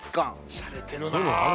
しゃれてるな。